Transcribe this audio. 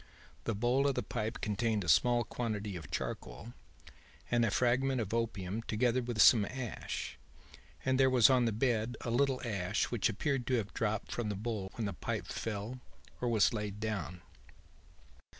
The bowl of the pipe contained a small quantity of charcoal, and a fragment of opium together with some ash, and there was on the bed a little ash which appeared to have dropped from the bowl when the pipe fell or was laid down.